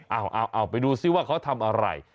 เอาไปดูซิว่าเขาทำอะไร